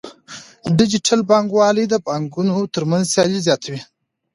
ډیجیټل بانکوالي د بانکونو ترمنځ سیالي زیاتوي.